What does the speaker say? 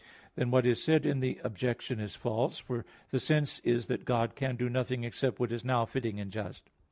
Then what is said in the objection is false; for the sense is that God can do nothing except what is now fitting and just.